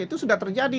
itu sudah terjadi